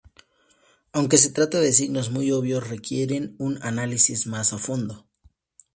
Aunque se trata de signos muy obvios requieren un análisis más a fondo.